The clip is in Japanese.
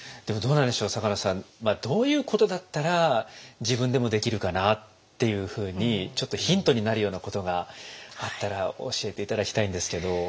でもどうなんでしょう坂野さんどういうことだったら自分でもできるかなっていうふうにちょっとヒントになるようなことがあったら教えて頂きたいんですけど。